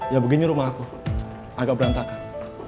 ya begini rumah aku agak berantakan